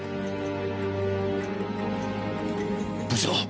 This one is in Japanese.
部長！